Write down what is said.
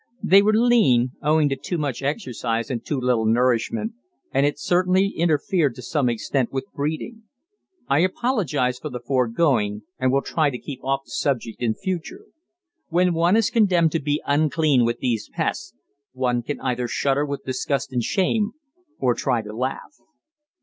They were lean, owing to too much exercise and too little nourishment, and it certainly interfered to some extent with breeding. I apologize for the foregoing, and will try to keep off the subject in future. When one is condemned to be unclean with these pests, one can either shudder with disgust and shame, or try to laugh.